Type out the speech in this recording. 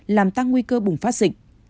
làm tăng nguy cơ bùng phát dịch